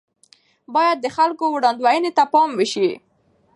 بايد د خلکو وړانديزونو ته پام وشي.